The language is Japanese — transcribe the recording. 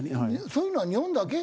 そういうのは日本だけ？